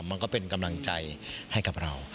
มันก็เป็นกำลังใจให้กับเรา